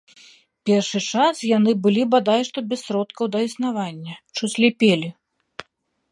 Першы час яны былі бадай што без сродкаў да існавання, чуць ліпелі.